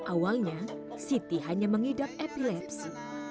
awalnya siti hanya mengidap epilepsi